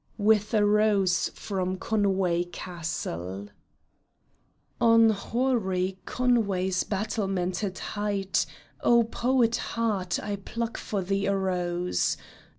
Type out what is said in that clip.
WITH A ROSE FROM CONWAY CASTLE On hoary Conway's battlemented height, O poet heart, I pluck for thee a rose